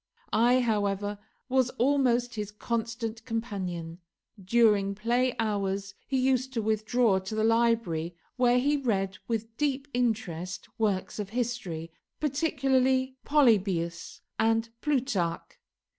I, however, was almost his constant companion. During play hours he used to withdraw to the library, where he read with deep interest works of history, particularly Polybius and Plutarch.